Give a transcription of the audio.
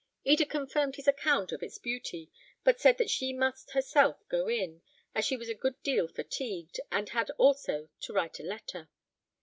Eda confirmed his account of its beauty, but said that she must herself go in, as she was a good deal fatigued, and had also to write a letter.